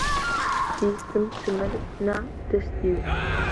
بیست تمەنم نا دەستییەوە